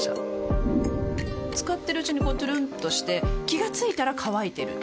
使ってるうちにこうトゥルンとして気が付いたら乾いてる